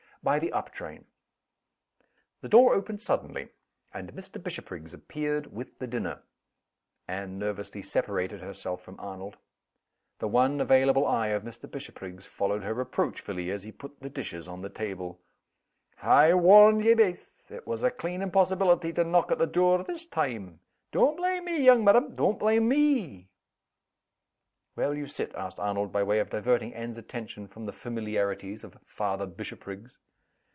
"By the up train." The door opened suddenly; and Mr. Bishopriggs appeared with the dinner. Anne nervously separated herself from Arnold. The one available eye of Mr. Bishopriggs followed her reproachfully, as he put the dishes on the table. "I warned ye baith, it was a clean impossibility to knock at the door this time. Don't blame me, young madam don't blame me!" "Where will you sit?" asked Arnold, by way of diverting Anne's attention from the familiarities of Father Bishopriggs.